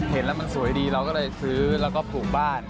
เห็นแล้วมันสวยดีเราก็เลยซื้อแล้วก็ปลูกบ้าน